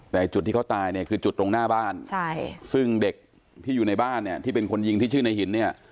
แต่จุดที่เค้าตายเนี่ยคือจุดตรงหน้าบ้านซึ่งเด็กที่อยู่ในบ้านยิงลงในหิน